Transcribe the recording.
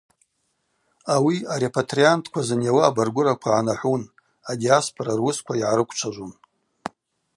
Ауи арепатриантква зынйауа абаргвыраква гӏанахӏвун, адиаспора руысква йгӏарыквчважвун.